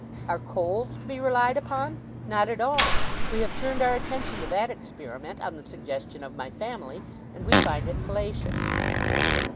Are coals to be relied upon? Not at all. We have turned our attention to that experiment, on the suggestion of my family, and we find it fallacious.